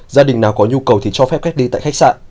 gia đình nào có nhu cầu thì cho phép cách ly tại khách sạn